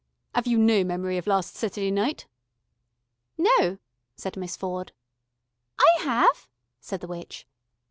"'Ave you no memory of last Seturday night?" "No," said Miss Ford. "I have," said the witch.